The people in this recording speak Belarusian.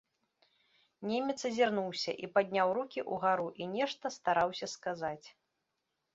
Немец азірнуўся і падняў рукі ўгару і нешта стараўся сказаць.